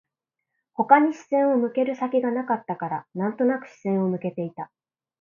他に視線を向ける先がなかったから、なんとなく視線を向けていた